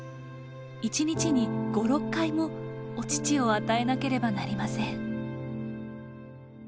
一日に５６回もお乳を与えなければなりません。